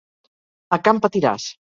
A Can Patiràs.